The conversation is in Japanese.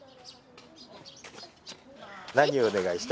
何をお願いした？